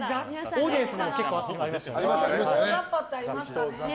オーディエンスにも結構ありましたね。